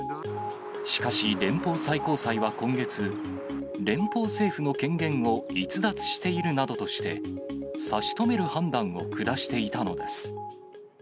しかし、連邦最高裁は今月、連邦政府の権限を逸脱しているなどとして、差し止める判断を下していたのです。